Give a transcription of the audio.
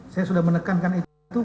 saya sudah menekankan itu